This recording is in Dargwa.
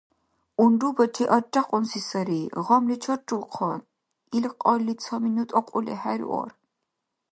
Унрубачи аррякьунси сари, гъамли чаррулхъан: ил кьалли ца минут акьули хӀеруар.